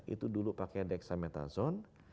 itu dulu pakai dexamethasone